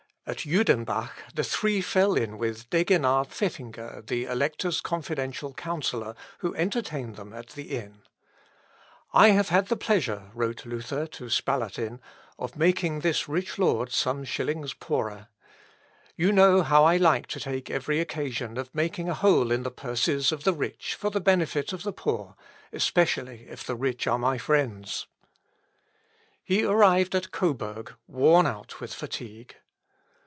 At Judenbach, the three fell in with Degenard Pfeffinger, the Elector's confidential councillor, who entertained them at the inn. "I have had the pleasure," wrote Luther to Spalatin, "of making this rich lord some shillings poorer. You know how I like to take every occasion of making a hole in the purses of the rich for the benefit of the poor, especially if the rich are my friends." He arrived at Coburg, worn out with fatigue.